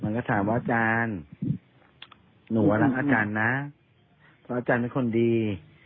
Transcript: ก็ถามว่าอาจารย์หนูว่ารักอาจารย์นะเพราะอาจารย์เป็นคนดี